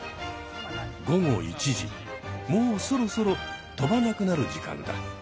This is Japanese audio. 午後１時もうそろそろとばなくなる時間だ。